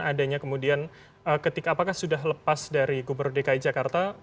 adanya kemudian ketika apakah sudah lepas dari gubernur dki jakarta